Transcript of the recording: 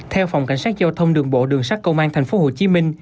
theo phòng cảnh sát giao thông đường bộ đường sát công an tp hcm